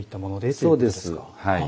そうですはい。